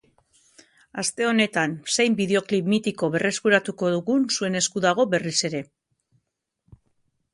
Aste honetan zein bideoklip mitiko berreskuratuko dugun zuen esku dago berriz ere.